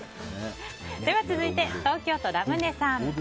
続いて東京都の方。